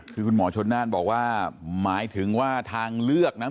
คือคุณหมอชนน่านบอกว่าหมายถึงว่าทางเลือกนะ